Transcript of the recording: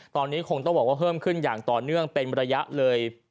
ตอนนี้คงต้องบอกว่าเพิ่มขึ้นอย่างต่อเนื่องเป็นระยะเลย